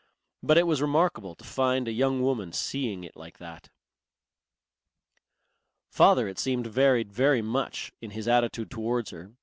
But it was remarkable to find a young woman seeing it like that. Father it seemed varied very much in his attitude towards her.